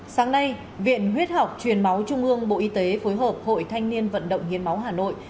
sáng nay viện huyết học truyền máu trung ương bộ y tế phối hợp hội thanh niên vận động hiến máu hà nội